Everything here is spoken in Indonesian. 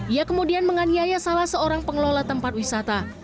ia kemudian menganiaya salah seorang pengelola tempat wisata